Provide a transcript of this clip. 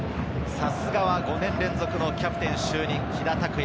さすがは５年連続キャプテン就任、喜田拓也。